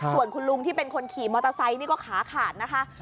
ส่วนคุณลุงที่เป็นคนขี่มอเตอร์ไซค์นี่ก็ขาขาดนะคะ